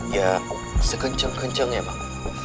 ya sekenceng kenceng ya bang